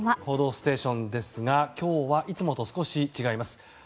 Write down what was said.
「報道ステーション」ですが今日はいつもと少し違います。